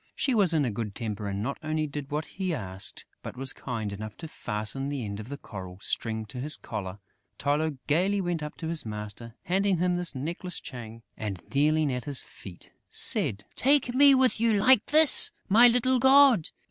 She was in a good temper and not only did what he asked, but was kind enough to fasten the end of the coral string to his collar. Tylô gaily went up to his master, handed him this necklace chain and, kneeling at his feet, said: "Take me with you like this, my little god!